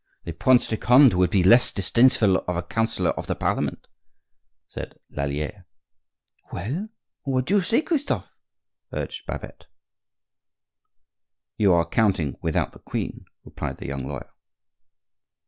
"The Prince de Conde would be less disdainful of a counsellor of the Parliament," said Lallier. "Well, what say you, Christophe?" urged Babette. "You are counting without the queen," replied the young lawyer.